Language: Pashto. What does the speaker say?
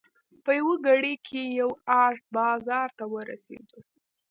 په یوه ګړۍ کې یو ارت بازار ته ورسېدو.